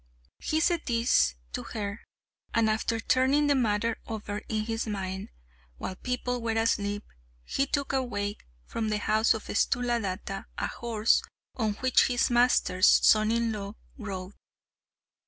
He said this to her, and after turning the matter over in his mind, while people were asleep he took away from the house of Sthuladatta a horse on which his master's son in law rode.